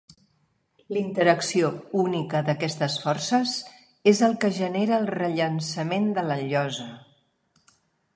L'interacció única d'aquestes forces és el que genera el rellançament de la llosa.